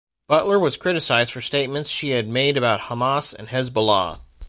Butler was criticized for statements she had made about Hamas and Hezbollah.